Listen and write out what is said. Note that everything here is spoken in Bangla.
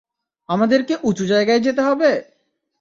আমাদেরকে উঁচু জায়গায় যেতে হবে!